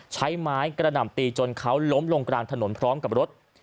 ใช้ไม้กระหน่ำตีจนเขาล้มลงกลางถนนพร้อมกับรถ